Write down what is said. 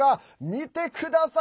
見てください。